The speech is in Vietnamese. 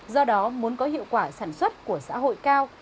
do đó muốn có hiệu quả sản xuất của xã hội cao